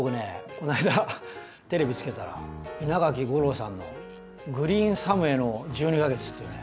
この間テレビつけたら稲垣吾郎さんの「グリーンサムへの１２か月」っていうね